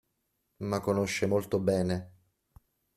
Ma conosce molto bene.